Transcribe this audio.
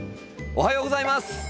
おはようございます。